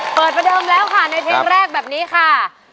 ประเดิมแล้วค่ะในเพลงแรกแบบนี้ค่ะ